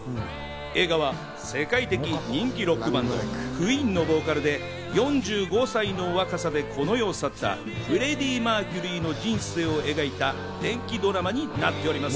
映画は世界的人気ロックバンド・ＱＵＥＥＮのボーカルで４５歳の若さでこの世を去ったフレディ・マーキュリーの人生を描いた伝記ドラマになっております。